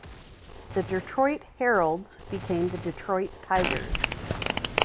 The Detroit Heralds became the Detroit Tigers.